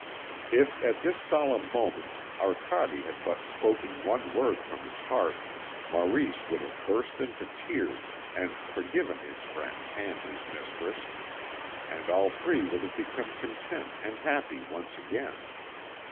If at this solemn moment Arcade had but spoken one word from his heart, Maurice would have burst into tears, and forgiven his friend and his mistress, and all three would have become content and happy once again.